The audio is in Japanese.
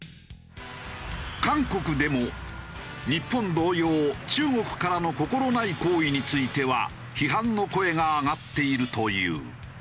韓国でも日本同様中国からの心ない行為については批判の声が上がっているという。